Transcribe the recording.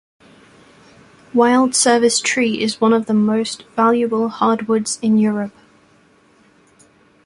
Wild service tree is one of the most valuable hardwoods in Europe.